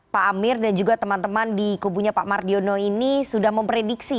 pak amir dan juga teman teman di kubunya pak mardiono ini sudah memprediksi